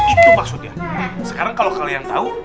itu maksudnya sekarang kalo kalian tau